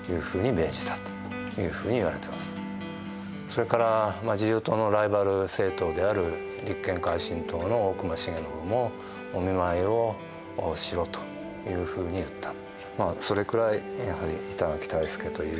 それから自由党のライバル政党である立憲改進党の大隈重信も「お見舞いをしろ」というふうに言った。